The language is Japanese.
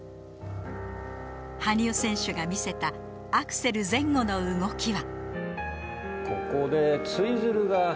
羽生選手が見せたアクセル前後の動きは